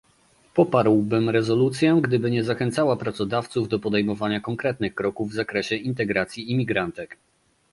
Poparłbym rezolucję, gdyby nie zachęcała pracodawców do podejmowania konkretnych kroków w zakresie integracji imigrantek